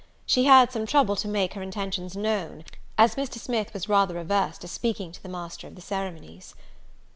She had some trouble to make her intentions known, as Mr. Smith was rather averse to speaking to the master of the ceremonies.